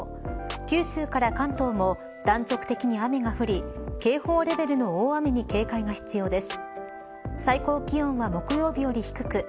九州から関東も断続的に雨が降り警報レベルの大雨に警戒が必要です。